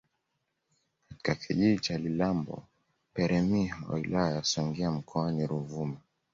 katika kijiji cha Lilambo Peramiho wilaya ya songea mkoani Ruvuma